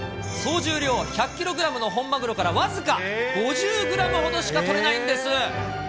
総重量１００キログラムの本マグロから僅か５０グラムほどしか取れないんです。